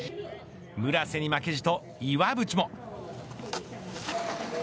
村瀬に負けじと岩渕も。